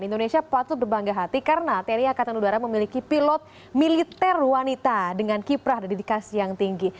indonesia patut berbangga hati karena tni angkatan udara memiliki pilot militer wanita dengan kiprah dan dedikasi yang tinggi